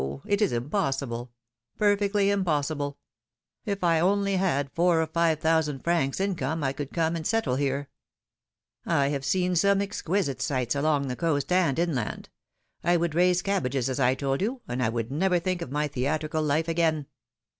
it is impossible, perfectly impossible! If I only had four or five thousand francs income, I would come and settle here; I have seen some exquisite sites along the coast and inland; I would raise cabbages, as I told you, and I would never think of my theatrical life again.